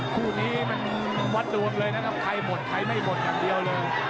คู่นี้มันวัดดวงเลยนะครับใครหมดใครไม่หมดอย่างเดียวเลย